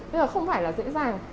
bây giờ không phải là dễ dàng